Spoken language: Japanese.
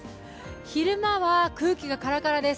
昼間は空気がカラカラです。